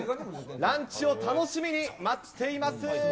ランチを楽しみに待っています。